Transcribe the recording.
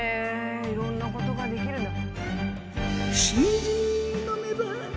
いろんなことができるんだ。